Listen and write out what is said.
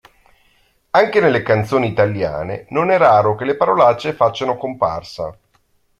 Anche nelle canzoni italiane non è raro che le parolacce facciano comparsa.